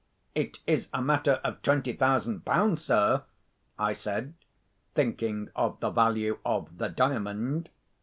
"It is a matter of twenty thousand pounds, sir," I said, thinking of the value of the Diamond.